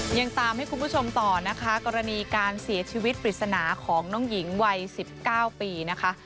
ยังตามให้คุณผู้ชมต่อนะคะกรณีการเสียชีวิตปริศนาของน้องหญิงวัย๑๙ปีนะคะ